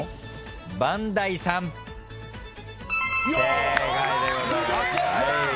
正解でございます。